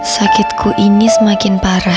sakitku ini semakin parah